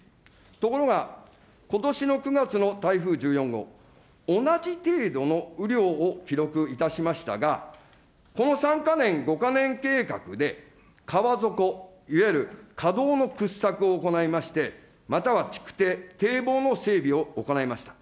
ところが、ことしの９月の台風１４号、同じ程度の雨量を記録いたしましたが、この３か年、５か年計画で、川底、いわゆる河道の掘削を行いまして、または築堤、堤防の整備を行いました。